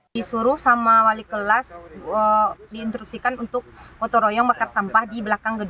disuruh sama wali kelas diintruksikan untuk motoroyong bakar sampah di belakang